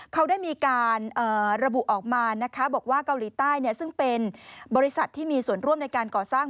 เขาได้มีการระบุออกมานะคะบอกว่าเกาหลีใต้ซึ่งเป็นบริษัทที่มีส่วนร่วมในการก่อสร้าง